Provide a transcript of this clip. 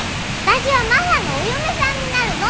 私はマサのお嫁さんになるの！